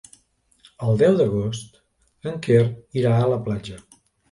El deu d'agost en Quer irà a la platja.